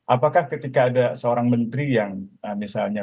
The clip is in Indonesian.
apakah ketika ada seorang menteri yang misalnya